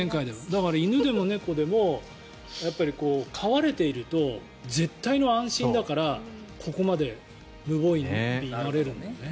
だから犬でも猫でも飼われていると絶対の安心だからここまで無防備になれるんだね。